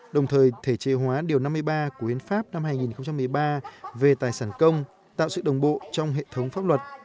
đồng thời thể chế hóa điều năm mươi ba của hiến pháp năm hai nghìn một mươi ba về tài sản công tạo sự đồng bộ trong hệ thống pháp luật